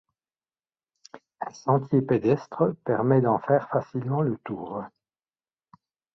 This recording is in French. Un sentier pédestre permet d'en faire facilement le tour.